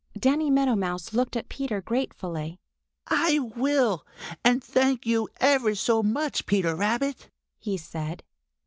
Danny Meadow Mouse looked at Peter gratefully. "I will, and thank you ever so much, Peter Rabbit," he said.